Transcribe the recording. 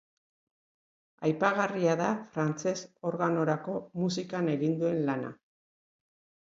Aipagarria da frantses organorako musikan egin duen lana.